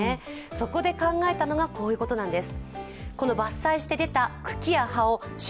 そこで考えたのがこういうことなんです。